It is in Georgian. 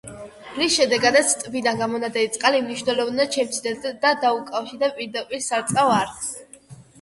რის შემდეგადაც ტბიდან გამონადენი წყალი მნიშვნელოვნად შემცირდა და დაუკავშირდა პირდაპირ სარწყავ არხს.